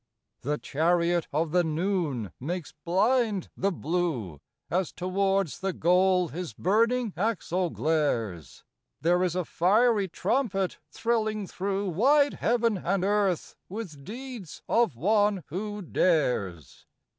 II The chariot of the noon makes blind the blue As towards the goal his burning axle glares; There is a fiery trumpet thrilling through Wide heaven and earth with deeds of one who dares.